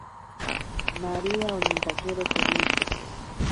Maríya onintakero kemito.